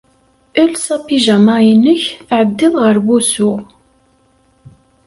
Els apijama-inek tɛeddiḍ ɣer wusu.